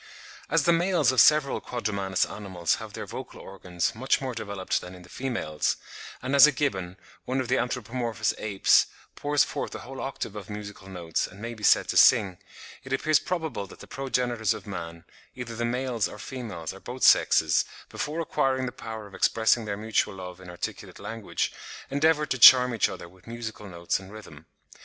As the males of several quadrumanous animals have their vocal organs much more developed than in the females, and as a gibbon, one of the anthropomorphous apes, pours forth a whole octave of musical notes and may be said to sing, it appears probable that the progenitors of man, either the males or females or both sexes, before acquiring the power of expressing their mutual love in articulate language, endeavoured to charm each other with musical notes and rhythm.